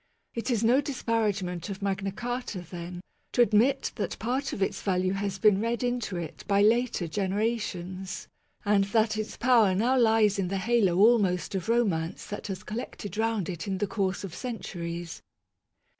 It is no disparagement of Magna Carta, then, to admit that part of its value has been read into it by later generations, and that its power now lies in the halo almost of romance that has collected round it in the course of centuries.